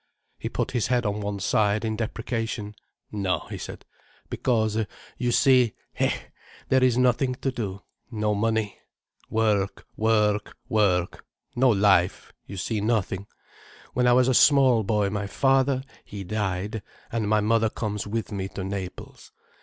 He put his head on one side in deprecation. "No," he said, "because, you see—hé, there is nothing to do—no money—work—work—work—no life—you see nothing. When I was a small boy my father, he died, and my mother comes with me to Naples.